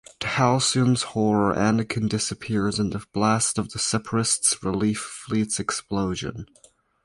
To Halcyon's horror, Anakin disappears in the blast of the Separatist's Relief Fleet's explosion.